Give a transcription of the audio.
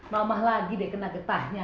melemah lagi deh kena getahnya